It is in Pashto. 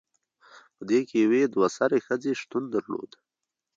پدې کې یوې دوه سرې ښځې شتون درلود